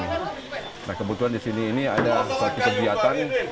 aduker yang mencoba menteri mesyuarat di jawa berhasil berkata kata mend suzanne khazik khan